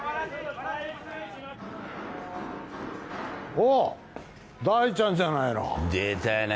おお大ちゃんじゃないの。出たな。